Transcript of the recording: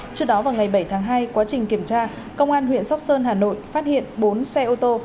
trước đó vào ngày bảy tháng hai quá trình kiểm tra công an huyện sóc sơn hà nội phát hiện bốn xe ô tô